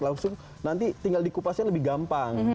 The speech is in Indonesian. langsung nanti tinggal dikupasnya lebih gampang